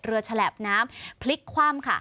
ฉลาบน้ำพลิกคว่ำค่ะ